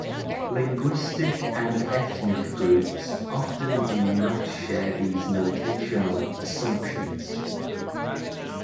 Linguistic and ethnic groups often do not share these notational assumptions.